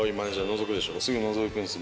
すぐのぞくんですよ